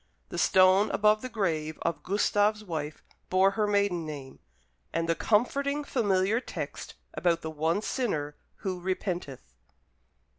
The stone above the grave of Gustave's wife bore her maiden name, and the comforting familiar text about the one sinner who repenteth.